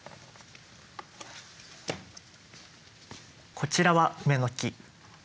こちらはウメの木。